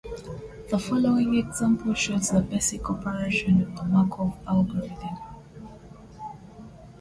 The following example shows the basic operation of a Markov algorithm.